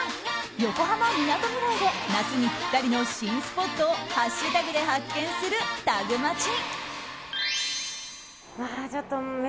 １横浜・みなとみらいで夏にぴったりの新スポットをハッシュタグで発見するタグマチ。